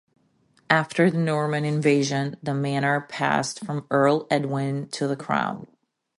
After the Norman invasion, the manor passed from Earl Edwin to the Crown.